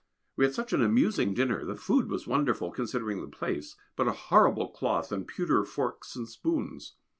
We had such an amusing dinner, the food was wonderful, considering the place, but a horrible cloth and pewter forks and spoons.